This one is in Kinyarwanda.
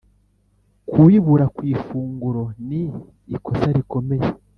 kubibura kwifunguro ni ikosarikomeye